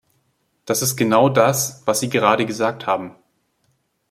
Das ist genau das, was Sie gerade gesagt haben.